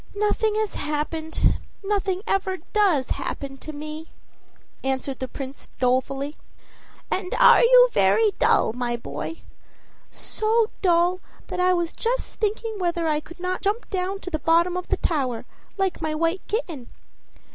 "Nothing has happened nothing ever does happen to me," answered the Prince dolefully. "And are you very dull, my boy?" "So dull that I was just thinking whether I could not jump down to the bottom of the tower, like my white kitten."